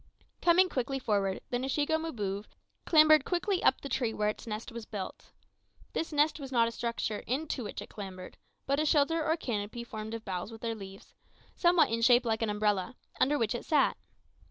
Coming quickly forward, the Nshiego Mbouve chambered quickly up the tree where its nest was built. This nest was not a structure into which it clambered, but a shelter or canopy formed of boughs with their leaves, somewhat in shape like an umbrella, under which it sat.